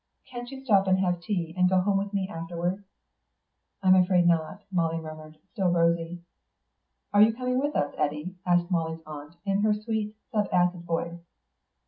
"Can't you stop and have tea and go home with me afterwards?" "I'm afraid not," Molly murmured, still rosy. "Are you coming with us, Eddy?" asked Molly's aunt, in her sweet, sub acid voice.